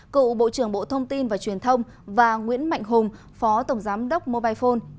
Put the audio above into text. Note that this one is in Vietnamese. cựu bộ trưởng bộ thông tin và truyền thông và nguyễn mạnh hùng phó tổng giám đốc mobile phone